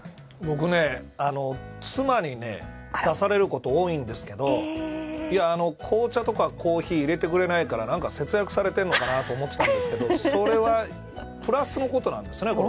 僕ね、妻に出されることが多いんですけど紅茶とかコーヒー入れてくれないから節約されているのかなって思ってたんですけどプラスのことなんですね。